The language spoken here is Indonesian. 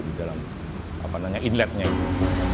di dalam inletnya itu